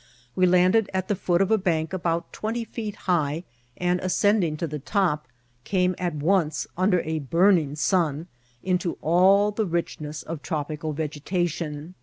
We landed at the foot of a bank about twenty feet high, and, ascending to the top, came at once, under a burning sun, into all the richness of tropical vegetatiim.